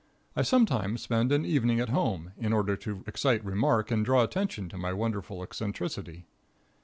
I sometimes spend an evening at home, in order to excite remark and draw attention to my wonderful eccentricity.